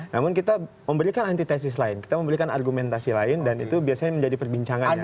namun kita memberikan antitesis lain kita memberikan argumentasi lain dan itu biasanya menjadi perbincangan